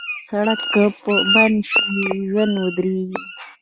سړک که بند شي، ژوند ودریږي.